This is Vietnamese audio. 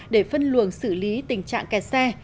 để phân luồng xử lý tình trạng kẹt xe